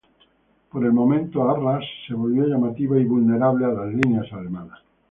Por el momento, Arras se volvió llamativa y vulnerable a las líneas alemanas.